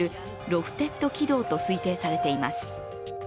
ロフテッド軌道と推定されています。